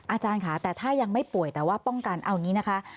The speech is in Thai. อาจารย์ค่ะแต่ถ้ายังไม่ป่วยแต่ว่าป้องกันเอาอย่างนี้นะคะ